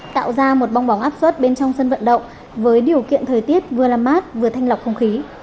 tạo ra một bong bóng áp suất bên trong sân vận động với điều kiện thời tiết vừa làm mát vừa thanh lọc không khí